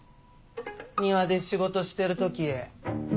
庭で仕事してる時。